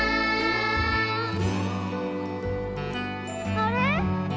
あれ？